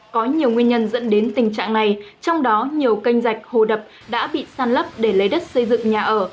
có nhiều nguyên nhân dẫn đến tình trạng này trong đó nhiều kênh dạch hồ đập đã bị săn lấp để lấy đất xây dựng nhà ở